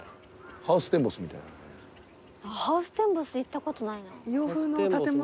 ハウステンボス行ったことないな。